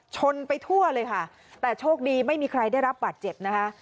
ชนไปทั่วเลยค่ะแต่โชคดีไม่มีใครได้รับบาดเจ็บนะคะ